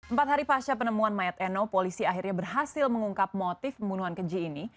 empat hari pasca penemuan mayat eno polisi akhirnya berhasil mengungkap motif pembunuhan keji ini